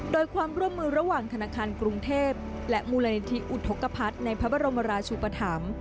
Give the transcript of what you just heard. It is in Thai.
โดยความร่วมมือระหว่างธนาคารกรุงเทพและมูลนิธิอุทธกภัทรในพระบรมราชุปธรรม